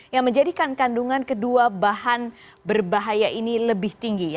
yang menjadikan kandungan kedua bahan berbahaya ini lebih tinggi